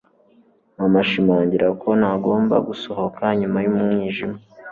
Mama ashimangira ko ntagomba gusohoka nyuma yumwijima